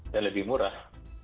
dan lebih murah